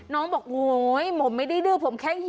น้องบอกโหยผมไม่ได้ดื้อ